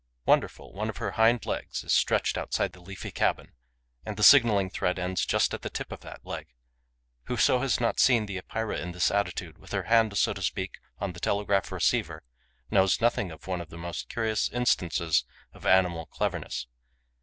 Wonderful! One of her hind legs is stretched outside the leafy cabin; and the signalling thread ends just at the tip of that leg. Whoso has not seen the Epeira in this attitude, with her hand, so to speak, on the telegraph receiver, knows nothing of one of the most curious instances of animal cleverness.